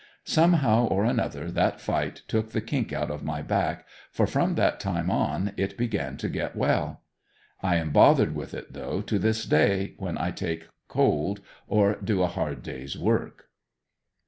Somehow or another that fight took the kink out of my back for from that time on it began to get well. I am bothered with it though, to this day, when I take cold or do a hard day's work.